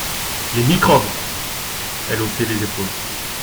«Les microbes !…» Elle haussait les épaules.